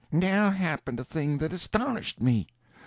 Now happened a thing that astonished me.